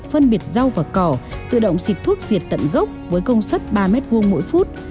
phân biệt rau và cỏ tự động xịt thuốc diệt tận gốc với công suất ba m hai mỗi phút